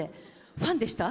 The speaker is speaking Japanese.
ファンでした？